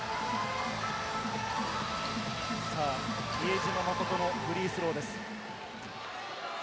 比江島慎のフリースローです。